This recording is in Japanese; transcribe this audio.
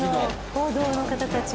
報道の方たち。